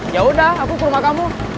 yaudah aku ke rumah kamu